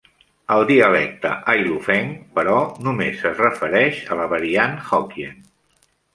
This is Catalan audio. El dialecte Hailufeng, però, només es refereix a la variant Hokkien.